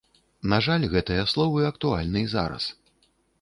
На жаль, гэтыя словы актуальны і зараз.